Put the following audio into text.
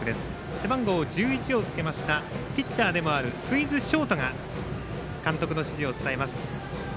背番号１１をつけましたピッチャーでもある水津将太が監督の指示を伝えます。